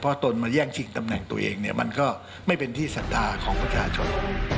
พอตนมันแย่งชิงตำแหน่งตัวเองมันก็ไม่เป็นที่สันธาของประชาชน